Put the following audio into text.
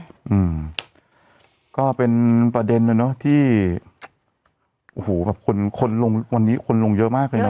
อืมก็เป็นประเด็นนะเนอะที่โอ้โหแบบคนคนลงวันนี้คนลงเยอะมากเลยนะ